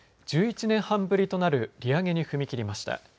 １１年半ぶりとなる利上げに踏み切りました。